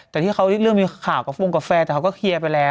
แต่ที่เขาเรื่องมีข่าวกับฟงกาแฟแต่เขาก็เคลียร์ไปแล้ว